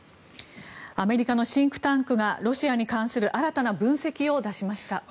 アメリカのシンクタンクがロシアに関する新たな分析を出しました。